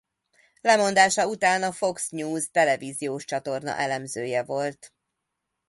Lemondása után a Fox News televíziós csatorna elemzője volt.